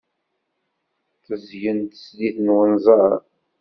Tezyen teslit n wenzar.